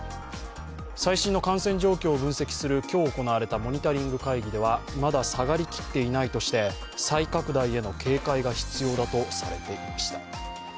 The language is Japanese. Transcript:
最新の感染状況を分析する今日行われたモニタリング会議では、まだ下がりきっていないとして再拡大への警戒が必要だとされていました。